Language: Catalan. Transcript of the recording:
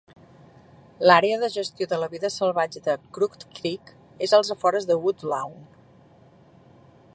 L'àrea de gestió de la vida salvatge de Crooked Creek és als afores de Woodlawn.